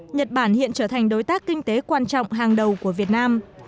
nhật bản hiện trở thành đối tác kinh tế quan trọng hàng đầu của việt nam